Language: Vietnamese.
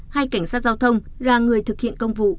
hai cảnh sát giao thông là người thực hiện công vụ